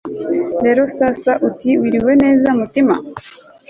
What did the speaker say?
rero sasa uti wiriwe nez mutima